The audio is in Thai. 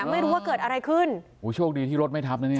ไม่รู้ว่าเกิดอะไรขึ้นโอ้โชคดีที่รถไม่ทับนะเนี่ย